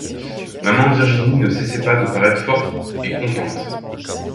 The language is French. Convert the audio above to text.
Maman Virginie ne cessait pas de paraître forte et contente.